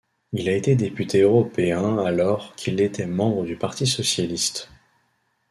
Il a été député européen alors qu'il était membre du Parti socialiste.